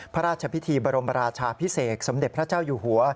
พระราชพิธีบรมราชาพิเศษสมเด็จพระเจ้าอยู่หัว